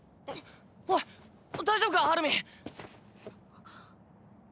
おい大丈夫かアルミン。